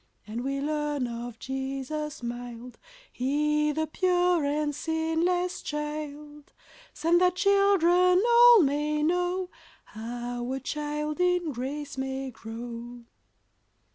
And we learn of Jesus mild, He the pure and sinless child, Sent that children all may know How a child in grace may grow.